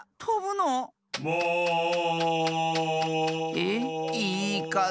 えっ⁉いいかぜ！